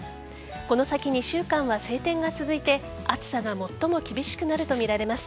この先２週間は晴天が続いて暑さが最も厳しくなるとみられます。